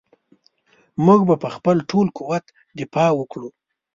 موږ به په خپل ټول قوت دفاع وکړو.